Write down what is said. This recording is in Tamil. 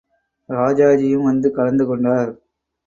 ராஜாஜியும் வந்து கலந்து கொண்டார்.